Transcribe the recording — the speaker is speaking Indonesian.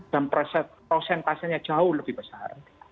dan prosentasenya jauh lebih besar